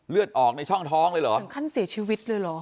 เลือดออกในช่องท้องเลยเหรอถึงขั้นเสียชีวิตเลยเหรอ